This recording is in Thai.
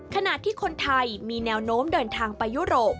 ขณะที่คนไทยมีแนวโน้มเดินทางไปยุโรป